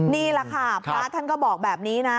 นี่แหละค่ะพระท่านก็บอกแบบนี้นะ